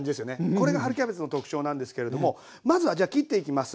これが春キャベツの特徴なんですけれどもまずはじゃ切っていきます。